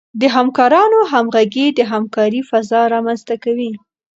د همکارانو همغږي د همکارۍ فضا رامنځته کوي.